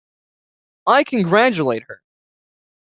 I congratulate her.